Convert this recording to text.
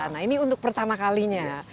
nah ini untuk pertama kalinya